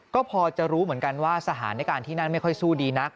ก็พอจะรู้เหมือนกันว่าสถานการณ์ที่นั่นไม่ค่อยสู้ดีนัก